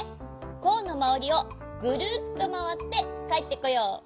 コーンのまわりをぐるっとまわってかえってこよう。